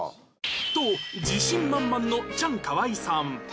と自信満々のチャンカワイさん